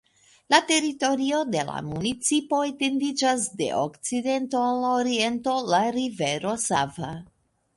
La teritorio de la municipo etendiĝas de okcidento al oriento la rivero Sava.